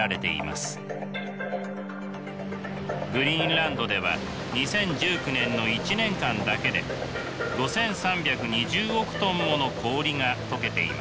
グリーンランドでは２０１９年の１年間だけで５，３２０億ｔもの氷が解けています。